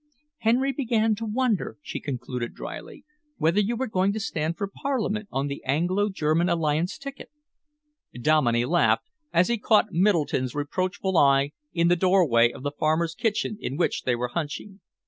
"Henry began to wonder," she concluded drily, "whether you were going to stand for Parliament on the Anglo German alliance ticket." Dominey laughed as he caught Middleton's reproachful eye in the doorway of the farmer's kitchen in which they were hunching.